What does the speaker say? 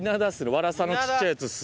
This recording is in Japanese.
ワラサのちっちゃいやつっす。